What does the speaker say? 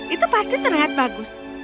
itu pasti terlihat bagus